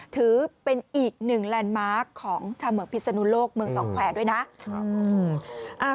ถือเป็นอีกหนึ่งแลนด์มาร์คของชาวเมืองพิศนุโลกเมืองสองแขวนด้วยนะครับ